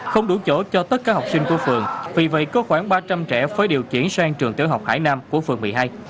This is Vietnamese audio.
không đủ chỗ cho tất cả học sinh của phường vì vậy có khoảng ba trăm linh trẻ phải điều chuyển sang trường tiểu học hải nam của phường một mươi hai